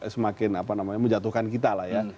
semakin apa namanya menjatuhkan kita lah ya